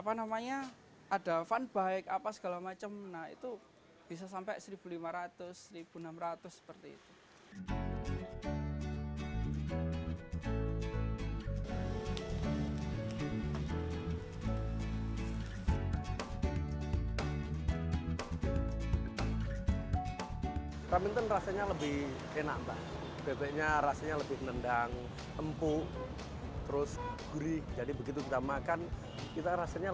favoritnya mbak makanan